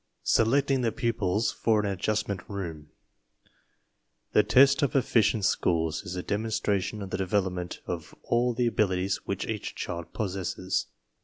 SELECTING THE PUPILS FOR AN ADJUSTMENT ROOM The test of efficient sc hools is a demonstration of the developmehFof all the Abilities which each child pos sesses.